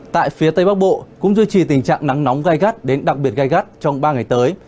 tại phía tây bắc bộ cũng duy trì tình trạng nắng nóng gai gắt đến đặc biệt gai gắt trong ba ngày tới